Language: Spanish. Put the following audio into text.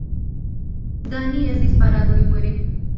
Danny es disparado y muere.